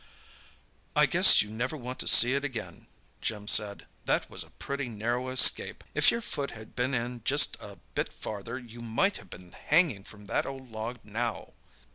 "I guess you'd never want to see it again," Jim said. "That was a pretty narrow escape—if your foot had been in just a bit farther you might have been hanging from that old log now!"